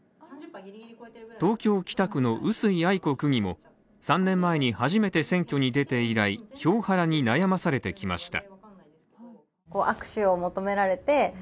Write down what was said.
東京・北区の臼井愛子区議も３年前に初めて選挙に出て以来、票ハラに悩まされてきました。